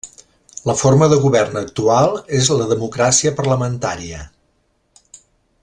La forma de govern actual és la democràcia parlamentària.